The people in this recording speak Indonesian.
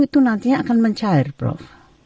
itu nantinya akan mencair prof